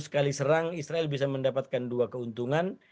sekali serang israel bisa mendapatkan dua keuntungan